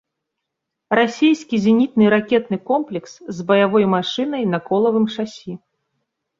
Расійскі зенітны ракетны комплекс з баявой машынай на колавым шасі.